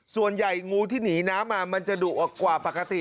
ส่วนใหญ่งูที่หนีน้ำมามันจะดุกว่ากว่าปกติ